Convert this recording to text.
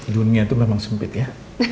dunia itu memang sempit ya